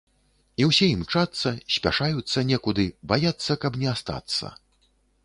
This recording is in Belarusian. І ўсе імчацца, спяшаюцца некуды, баяцца, каб не астацца.